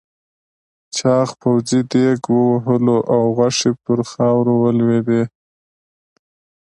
چاغ پوځي دېگ ووهلو او غوښې پر خاورو ولوېدې.